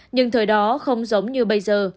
nhưng thời đó không giống như bây giờ